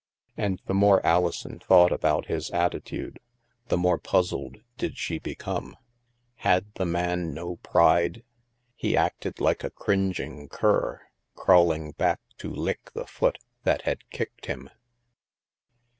And the more Alison thought about his attitude, the more puzzled did she become. Had the man no pride? He acted like a cringing cur, crawling back to lick the foot that had kicked him